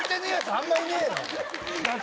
あんまいねえよ！